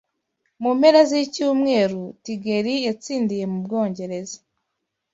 Mu mpera z'icyumweru Tigeri yatsindiye mu Bwongereza